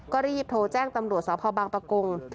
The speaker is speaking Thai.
ก็รีบโทรแจ้งตำรวจสพบางประกง